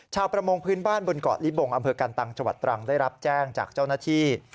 ประมงพื้นบ้านบนเกาะลิบงอำเภอกันตังจังหวัดตรังได้รับแจ้งจากเจ้าหน้าที่